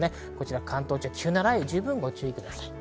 関東地方、急な雷雨にご注意ください。